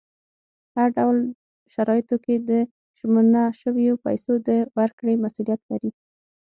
په هر ډول شرایطو کې د ژمنه شویو پیسو د ورکړې مسولیت لري.